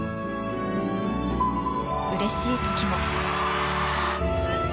うれしい時も。